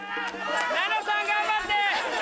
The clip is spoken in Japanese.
ナナさん頑張って！